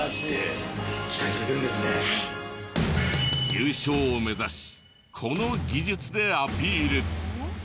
優勝を目指しこの技術でアピール！